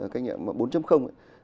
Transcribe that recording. cách mạng bốn